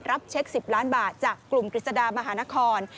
รับเช็ค๑๐ล้านบาทจากกลุ่มกฤษฎามหานคร